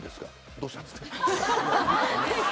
どうしたんですか。